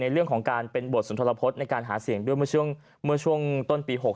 เรื่องของการเป็นบทสุนทรพฤษในการหาเสียงด้วยเมื่อช่วงต้นปี๖๖